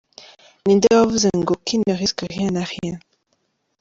Ni nde wavuze ngo «Qui ne risque rien, n’a rien»?